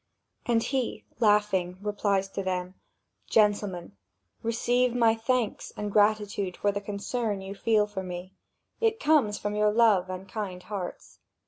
And he, laughing, replies to them: "Gentlemen, receive my thanks and gratitude for the concern you feel for me: it comes from your love and kind hearts.